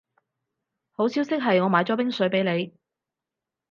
好消息係我買咗冰水畀你